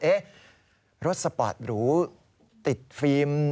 รถสปอร์ตหรูติดฟิล์ม